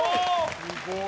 すごい！